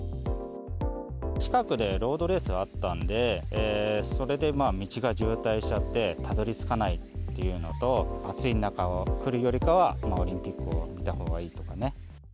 近くでロードレースあったんで、それで道が渋滞しちゃって、たどりつかないっていうのと、暑い中を来るよりかは、オリンピックを見たほうがいいとかね。